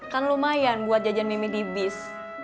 kan lumayan buat jajan nemi dibis